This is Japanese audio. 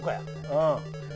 うん？